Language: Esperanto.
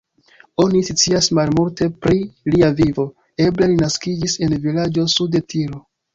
Oni scias malmulte pri lia vivo, eble li naskiĝis el vilaĝo sude Tiro.